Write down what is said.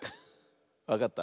わかった？